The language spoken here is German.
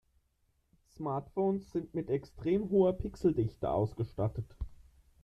Smartphones sind mit extrem hoher Pixeldichte ausgestattet.